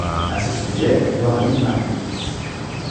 À ce sujet, voir Lynn Margulis.